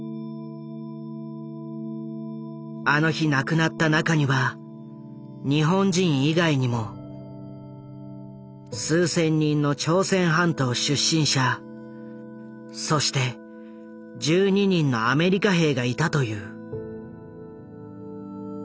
あの日亡くなった中には日本人以外にもそして１２人のアメリカ兵がいたという。